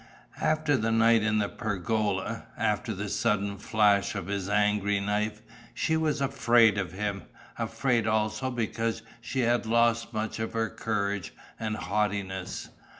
After the night in the pergola, after the sudden flash of his angry knife, she was afraid of him, afraid also because she had lost much of her courage and haughtiness.